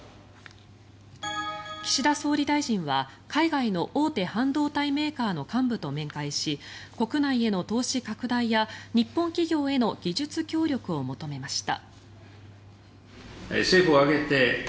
岸田総理大臣は海外の大手半導体メーカーの幹部と面会し国内への投資拡大や日本企業への技術協力を求めました。